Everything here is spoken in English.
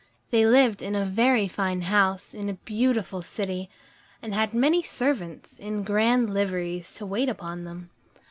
They lived in a very fine house in a beautiful city, and had many servants in grand liveries to wait upon them.